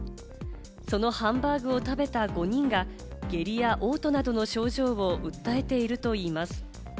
そのハンバーグを食べた５人が下痢や嘔吐などの症状を訴えているといいます。